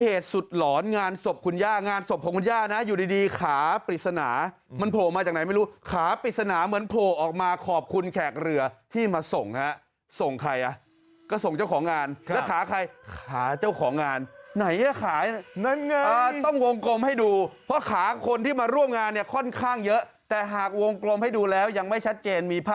เหตุสุดหลอนงานศพคุณย่างานศพของคุณย่านะอยู่ดีขาปริศนามันโผล่มาจากไหนไม่รู้ขาปริศนาเหมือนโผล่ออกมาขอบคุณแขกเรือที่มาส่งฮะส่งใครอ่ะก็ส่งเจ้าของงานแล้วขาใครขาเจ้าของงานไหนอ่ะขายนั่นไงต้องวงกลมให้ดูเพราะขาคนที่มาร่วมงานเนี่ยค่อนข้างเยอะแต่หากวงกลมให้ดูแล้วยังไม่ชัดเจนมีพระ